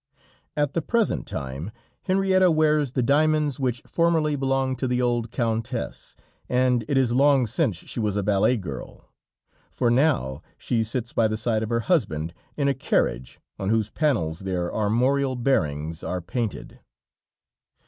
At the present time, Henrietta wears the diamonds which formerly belonged to the old Countess, and it is long since she was a ballet girl, for now she sits by the side of her husband in a carriage on whose panels their armorial bearings are painted.